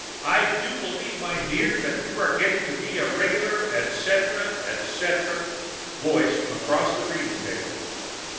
I do believe, my dear, that you're getting to be a regular, etc., etc. (Voice from across the reading table.)